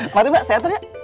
mari mbak saya atur ya